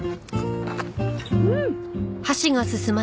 うん！